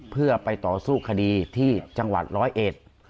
เพื่อไปต่อสู้คดีที่จังหวัดร้อยเอ็ด